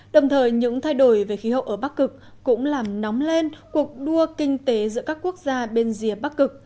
đồng thời những thay đổi về khí hậu ở bắc cực cũng làm nóng lên cuộc đua kinh tế giữa các quốc gia bên rìa bắc cực